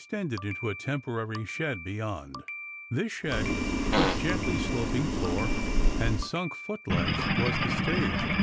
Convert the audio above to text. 1^^ tended into a temporary slied beyond, This shed, with gently Blopincj floor and sunk foot lights, was the stage.